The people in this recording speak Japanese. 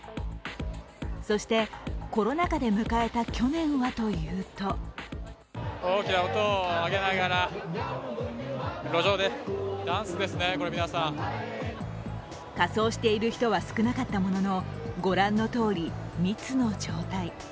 そして、コロナ禍で迎えた去年はというと仮装している人は少なかったもののご覧のとおり、密の状態。